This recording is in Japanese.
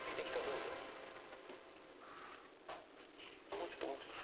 もうちょっともうちょっと。